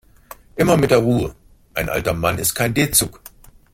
Immer mit der Ruhe, ein alter Mann ist kein D-Zug.